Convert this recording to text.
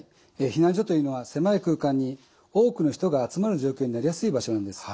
避難所というのは狭い空間に多くの人が集まる状況になりやすい場所なんです。